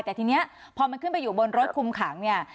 แต่ทีนี้พอมันขึ้นไปอยู่บนรถคุมขังเนี่ย